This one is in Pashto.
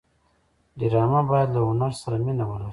ډرامه باید له هنر سره مینه ولري